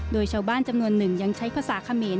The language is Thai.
โดยชาวบ้านจำนวนหนึ่งยังใช้ภาษาเขมร